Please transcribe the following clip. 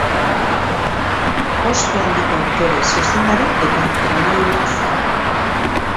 Ospe handiko aktore, zuzendari eta dramagilea zen.